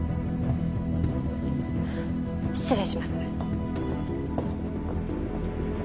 失礼します。